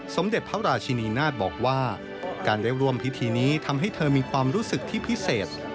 สมเด็จพระราชินีนาฏบอกว่าการได้ร่วมพิธีนี้ทำให้เธอมีความรู้สึกที่พิเศษ